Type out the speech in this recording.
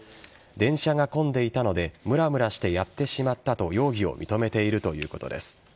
電車が混んでいたのでムラムラしてやってしまったと容疑を認めているということです。